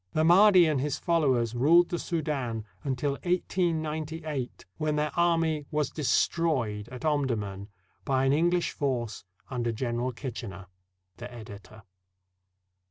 The Mahdi and his followers ruled the Soudan until 1898, when their army was destroyed at Omdurman by an Eng Ush force under General Kitchener. The Editor.